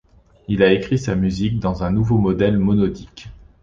Il a écrit sa musique dans un nouveau modèle monodique.